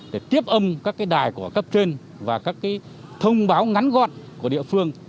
để tiếp âm các đài của cấp trên và các thông báo ngắn gọn của địa phương